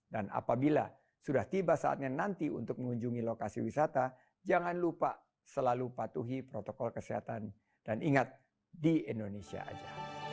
dan apabila sudah tiba saatnya nanti untuk mengunjungi lokasi wisata jangan lupa selalu patuhi protokol kesehatan dan ingat di indonesia saja